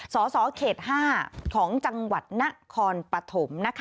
สสเขต๕ของจังหวัดนครปฐม